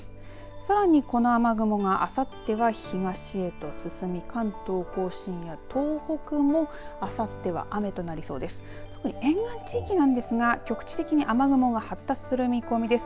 さらに、この雨雲があさっては東へと進み関東甲信や東北もあさっては雨となりそうです。